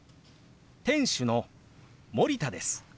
店主の森田です。